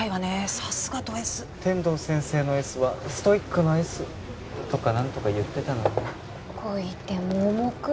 さすがドＳ「天堂先生のＳはストイックのＳ」とか何とか言ってたのにな恋って盲目